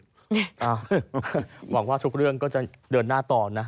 หวังว่าทุกเรื่องก็จะเดินหน้าต่อนะ